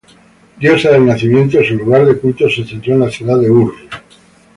Diosa del nacimiento, su lugar de culto se centró en la ciudad de Ur.